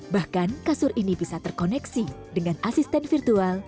bahkan kasur ini bisa terkoneksi dengan asisten virtual